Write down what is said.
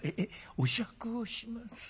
お酌をします？